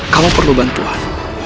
kamu perlu bantuan